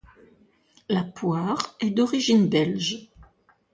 La poire est d’origine belge.